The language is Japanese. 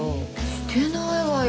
してないわよ。